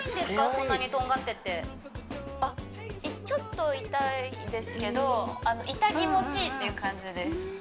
こんなにとんがっててあっちょっと痛いですけど痛気持ちいいっていう感じです